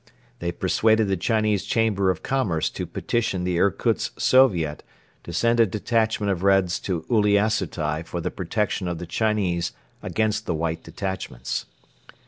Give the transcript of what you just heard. They persuaded the Chinese Chamber of Commerce to petition the Irkutsk Soviet to send a detachment of Reds to Uliassutai for the protection of the Chinese against the White detachments.